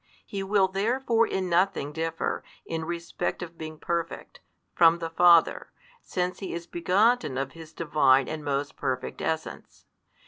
He will therefore in nothing differ, in respect of being Perfect, from the Father, since He is begotten of His Divine and most Perfect Essence.